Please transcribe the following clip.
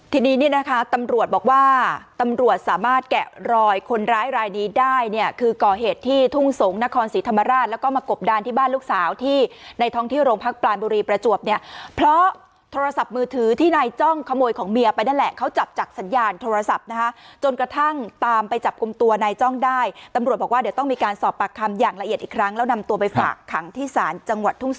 ทีนี้นี่นะคะตำรวจบอกว่าตำรวจสามารถแกะรอยคนร้ายรายนี้ได้เนี่ยคือก่อเหตุที่ทุ่งสงศ์นครศรีธรรมราชแล้วก็มากบด้านที่บ้านลูกสาวที่ในท้องที่โรงพักปลาลบุรีประจวบเนี่ยเพราะโทรศัพท์มือถือที่ในจ้องขโมยของเมียไปนั่นแหละเขาจับจักสัญญาณโทรศัพท์นะคะจนกระทั่งตามไปจับกลมตัวในจ้